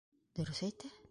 Дөрөҫ әйтә!